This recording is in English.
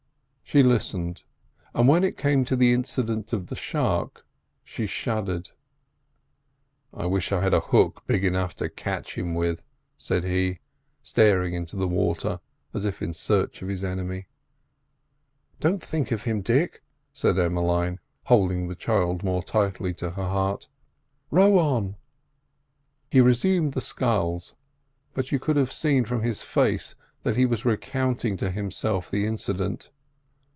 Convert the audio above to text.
She listened, and when it came to the incident of the shark, she shuddered. "I wish I had a hook big enough to catch him with," said he, staring into the water as if in search of his enemy. "Don't think of him, Dick," said Emmeline, holding the child more tightly to her heart. "Row on." He resumed the sculls, but you could have seen from his face that he was recounting to himself the incident.